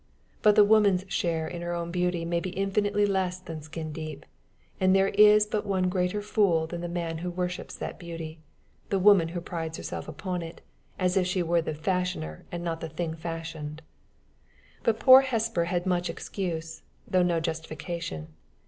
But the woman's share in her own beauty may be infinitely less than skin deep; and there is but one greater fool than the man who worships that beauty the woman who prides herself upon it, as if she were the fashioner and not the thing fashioned. But poor Hesper had much excuse, though no justification.